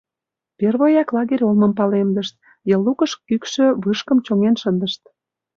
Первояк лагерь олмым палемдышт, йыл лукыш кӱкшӧ вышкым чоҥен шындышт.